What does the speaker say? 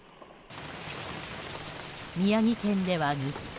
宮城県では日中。